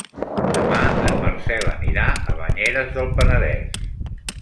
Demà en Marcel anirà a Banyeres del Penedès.